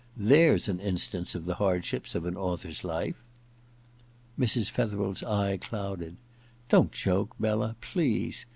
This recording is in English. There's an instance of the hardships of an author's life !' Mrs. Fetherel's eye clouded. * Don't joke, Bella, please.